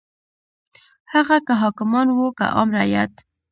هغه که حاکمان وو که عام رعیت.